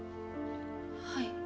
はい。